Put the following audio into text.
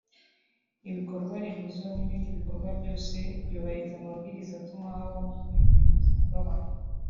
ibikorwaremezo n’ibindi bikorwa byose byubahiriza amabwiriza atuma habaho kurengera ubuzima bw’abantu